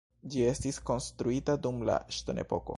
Ĝi estis konstruita dum la ŝtonepoko.